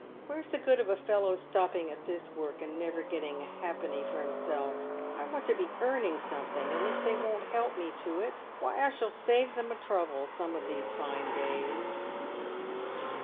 Where's the good of a fellow stopping at this work and never getting a halfpenny for hisself ? I want to be earning something, and if they won't help me to it, why I shall save them the trouble some of these fine days."